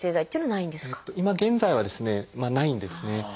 今現在はですねないんですね。